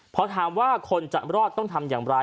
พอถามว่าคนจะรอดต้องทำอย่างไร